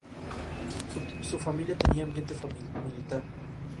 Su familia tenía ambiente militar.